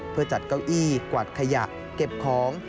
เพื่อจัดเก้าอี้กวาดขยะเก็บของ